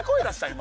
今。